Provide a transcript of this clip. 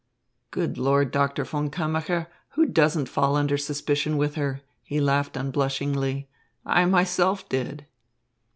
"Good Lord, Doctor von Kammacher! Who doesn't fall under suspicion with her?" He laughed unblushingly. "I myself did."